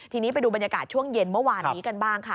ทีนี้ไปดูบรรยากาศช่วงเย็นเมื่อวานนี้กันบ้างค่ะ